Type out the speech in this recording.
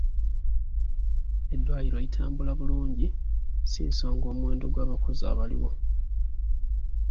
Eddwaliro litambula bulungi si nsonga omuwendo gw'abakozi abaliwo.